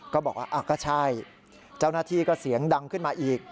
ก็บอกว่าก็ใช่เจ้าหน้าที่ก็เสียงดังขึ้นมาอีก